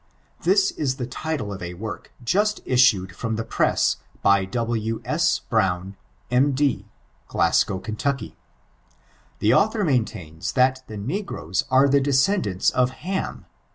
— This is the title of a work Just issued from the press, by W. S. Brown, M.D., Glasgow, Ky. The author maintains that the negroes are the decendants of Ham.